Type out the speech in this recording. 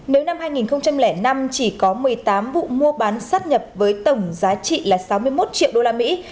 nếu năm hai nghìn năm chỉ có một mươi tám vụ mua bán sát nhập với tổng giá trị là sáu mươi một triệu đô la mỹ